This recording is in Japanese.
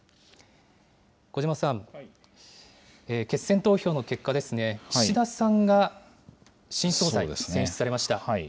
小嶋さん、決選投票の結果ですね、岸田さんが新総裁に選出されました。